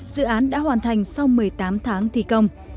dự án đã hoàn thành sau một mươi tám tháng thi công